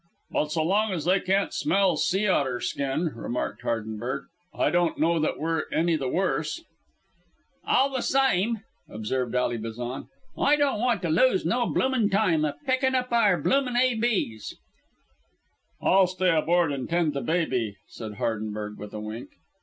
_ "But so long as they can't smell sea otter skin," remarked Hardenberg, "I don't know that we're any the worse." "All the syme," observed Ally Bazan, "I don't want to lose no bloomin' tyme a pecking up aour bloomin' A.B.'s." "I'll stay aboard and tend the baby," said Hardenberg with a wink.